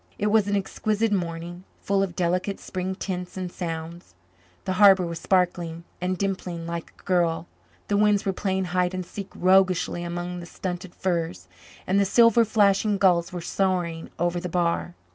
It was an exquisite morning, full of delicate spring tints and sounds. The harbour was sparkling and dimpling like a girl, the winds were playing hide and seek roguishly among the stunted firs, and the silver flashing gulls were soaring over the bar.